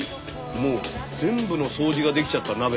もう全部の掃除ができちゃった鍋の。